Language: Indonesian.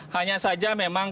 hanya saja memang